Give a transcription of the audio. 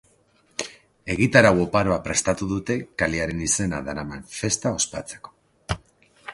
Egitarau oparoa prestatu dute kalearen izena daraman festa ospatzeko.